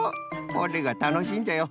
これがたのしいんじゃよ。